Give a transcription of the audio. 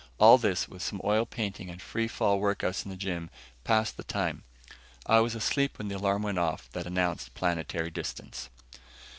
All this, with some oil painting and free fall workouts in the gym, passed the time. I was asleep when the alarm went off that announced planetary distance.